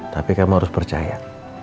tapi kamu harus percaya